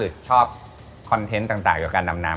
คือชอบคอนเทนต์ต่างกับการดำน้ำ